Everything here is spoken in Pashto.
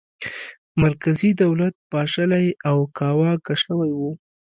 مرکزي دولت پاشلی او کاواکه شوی و.